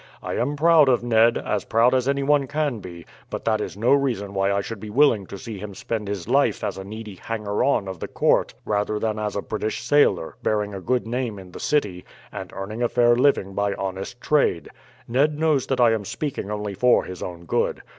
I am proud of Ned, as proud as anyone can be, but that is no reason why I should be willing to see him spend his life as a needy hanger on of the court rather than as a British sailor, bearing a good name in the city, and earning a fair living by honest trade. Ned knows that I am speaking only for his own good.